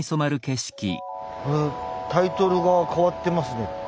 これタイトルが変わってますね。